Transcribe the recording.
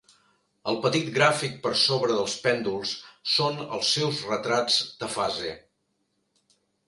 El petit gràfic per sobre dels pèndols són els seus retrats de fase.